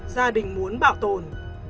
gia đình muốn bảo tồn